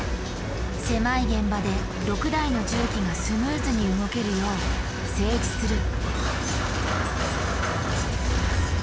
狭い現場で６台の重機がスムーズに動けるよう整地する。